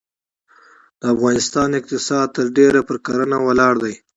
د افغانستان اقتصاد ترډیره پرکرهڼه ولاړ دی.